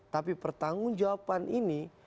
tapi pertanggungjawaban ini